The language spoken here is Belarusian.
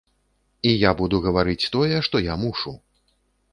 І я буду гаварыць тое, што я мушу.